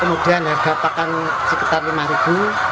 kemudian harga pakan sekitar rp lima